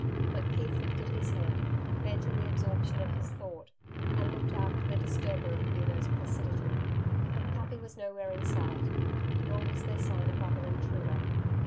McKeith lifted his head, bent in the absorption of his thought, and looked about for the disturber of Veno's placidity. But Kuppi was nowhere in sight, nor was there sign of other intruder.